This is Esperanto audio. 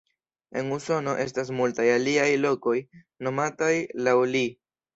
En Usono estas multaj aliaj lokoj nomataj laŭ li.